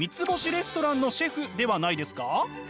レストランのシェフではないですか？